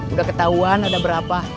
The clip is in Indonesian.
udah ketahuan ada berapa